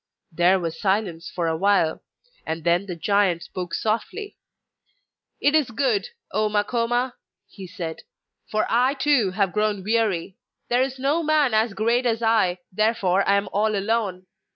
There was silence for a while, and then the giant spoke softly: 'It is good, O Makoma!' he said. 'For I too have grown weary. There is no man so great as I, therefore I am all alone.